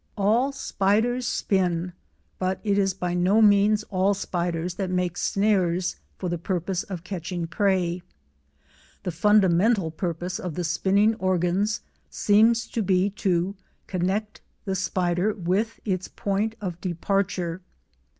All spiders spin, but it is by no means all spiders that make snares for the purpose of catching prey. The fundamental purpose of the spinning organs seems to be to connect the spider with its point of departure.